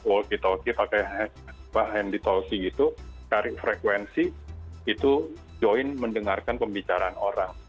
taki taki pakai handi taki gitu tarik frekuensi itu join mendengarkan pembicaraan orang